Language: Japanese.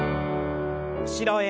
後ろへ。